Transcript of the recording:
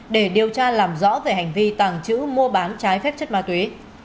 để điều tra làm rõ về hành vi tàng trữ mua bán trái phép chất ma túy